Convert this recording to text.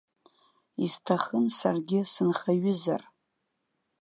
Исҭахын саргьы сынхаҩызар.